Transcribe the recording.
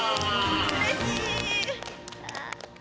うれしい！